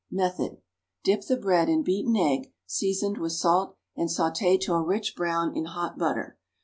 Method. Dip the bread in beaten egg, seasoned with salt and sauté to a rich brown in hot butter.